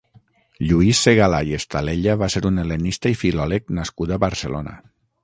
Lluís Segalà i Estalella va ser un hel·lenista i filòleg nascut a Barcelona.